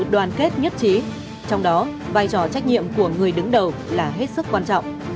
đoàn kết nhất trí trong đó vai trò trách nhiệm của người đứng đầu là hết sức quan trọng